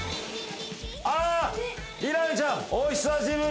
あっみなみちゃんお久しぶり！